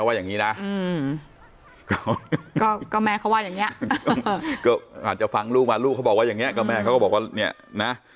อาจะฟังลูกมาลูกเขาบอกว่าอย่างเนี้ยก็แม่ก็บอกว่าเนี่ยนะ